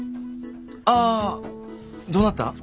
ああどうなった？